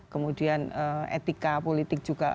kemudian etika politik juga